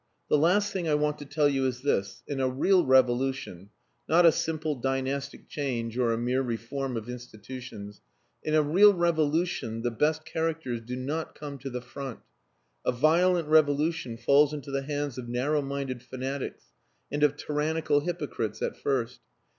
The last thing I want to tell you is this: in a real revolution not a simple dynastic change or a mere reform of institutions in a real revolution the best characters do not come to the front. A violent revolution falls into the hands of narrow minded fanatics and of tyrannical hypocrites at first.